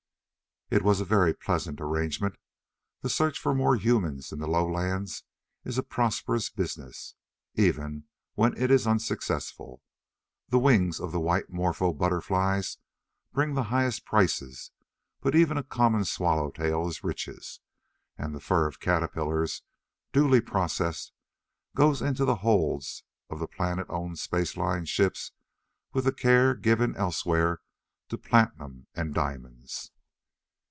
It is a very pleasant arrangement. The search for more humans in the lowlands is a prosperous business, even when it is unsuccessful. The wings of white Morpho butterflies bring the highest prices, but even a common swallow tail is riches, and the fur of caterpillars duly processed goes into the holds of the planet owned space line ships with the care given elsewhere to platinum and diamonds.